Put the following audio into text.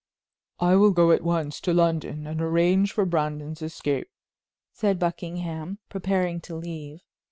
"I will go at once to London and arrange for Brandon's escape," said Buckingham, preparing to leave.